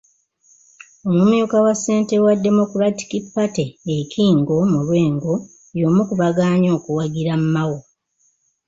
Omumyuka wa ssentebe wa Democratic Party e Kingo mu Lwengo y'omu ku bagaanye okuwagira Mao.